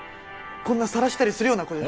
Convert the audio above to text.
こんなさらしたりするような子じゃ。